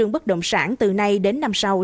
bất động sản từ nay đến năm sau